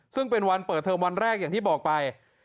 ซึ่งเป็นวันเปิดเทอมวันแรกอย่างที่บอกไป